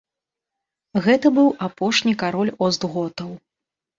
Гэта быў апошні кароль остготаў.